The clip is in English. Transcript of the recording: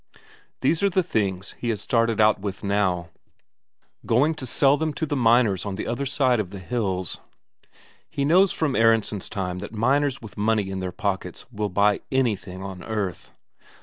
These are the things he has started out with now, going to sell them to the miners on the other side of the hills. He knows from Aronsen's time that miners with money in their pockets will buy anything on earth.